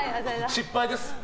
失敗です。